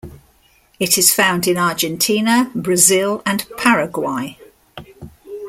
It is found in Argentina, Brazil and Paraguay.